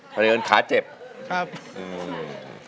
เพลงที่๑มูลค่า๑๐๐๐๐บาท